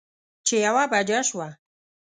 چې يوه بجه شوه